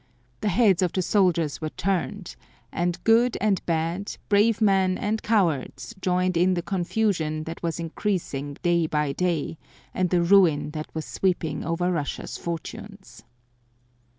The heads of the soldiers were turned, and good and bad, brave men and cowards, joined in the confusion that was increasing day by day, and the ruin that was sweeping over Russia's fortunes.